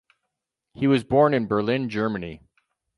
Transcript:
He was born in Berlin, Germany.